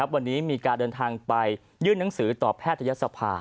วันนี้มีการเดินทางไปยื่นหนังสือต่อแพทยศภา